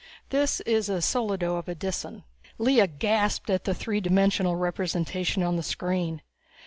This is a solido of a Disan." Lea gasped at the three dimensional representation on the screen.